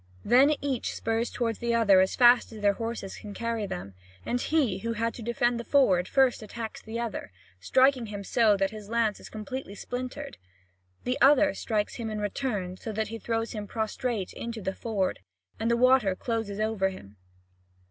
Then each spurs toward the other as fast as their horses can carry them. And he who had to defend the ford first attacks the other, striking him so hard that his lance is completely splintered. The other strikes him in return so that he throws him prostrate into the ford, and the water closes over him.